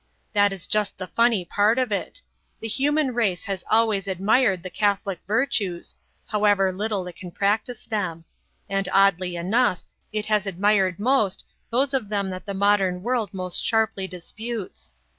That is just the funny part of it. The human race has always admired the Catholic virtues, however little it can practise them; and oddly enough it has admired most those of them that the modern world most sharply disputes.